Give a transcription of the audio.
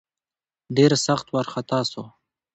ډېر سخت وارخطا سو.